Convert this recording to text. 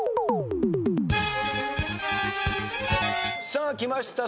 さあきました。